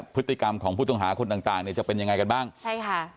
พฤติกรรมของผู้ต้องหาคนต่างต่างเนี่ยจะเป็นยังไงกันบ้างใช่ค่ะ